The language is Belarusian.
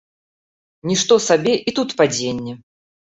Нішто сабе, і тут падзенне!